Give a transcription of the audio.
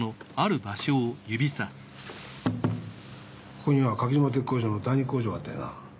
ここには垣沼鉄工所の第二工場があったよな？